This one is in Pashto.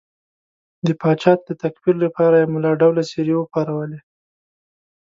د پاچا د تکفیر لپاره یې ملا ډوله څېرې وپارولې.